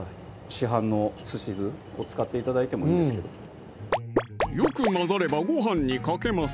市販の寿司酢を使って頂いてもいいですけどよく混ざればご飯にかけます